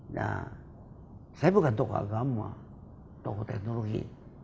nah saya bukan tokoh agama tokoh teknologi